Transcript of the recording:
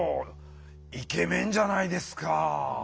イケメンじゃないですか。